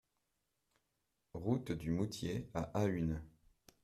Route du Moutier à Ahun